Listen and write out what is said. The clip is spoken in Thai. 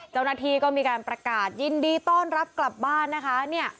เจ้าหน้าที่ก็มีการประกาศยินดีต้อนรับกลับบ้านนะคะ